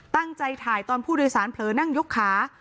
ตั้งใจถ่ายตอนผู้โดยสารเผลอนั่งยกขา